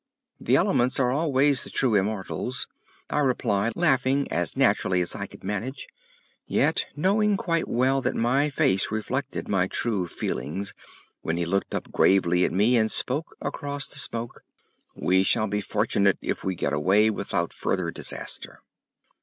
"The elements are always the true immortals," I replied, laughing as naturally as I could manage, yet knowing quite well that my face reflected my true feelings when he looked up gravely at me and spoke across the smoke: "We shall be fortunate if we get away without further disaster."